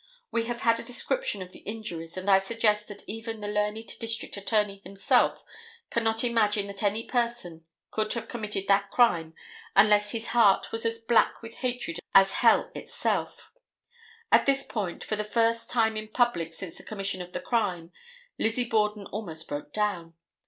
We have had a description of the injuries, and I suggest that even the learned District Attorney himself cannot imagine that any person could have committed that crime unless his heart was as black with hatred as hell itself." At this point, for the first time in public since the commission of the crime, Lizzie Borden almost broke down.